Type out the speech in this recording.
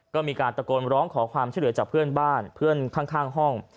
ก็มีการตะโกนร้องขอความช่วยเหลือจากเพื่อนบ้านเพื่อนข้างห้อง